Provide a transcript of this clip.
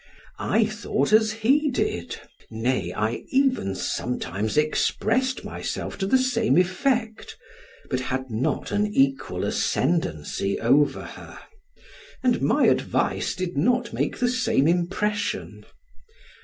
I thought as he did, nay, I even sometimes expressed myself to the same effect, but had not an equal ascendancy over her, and my advice did not make the same impression.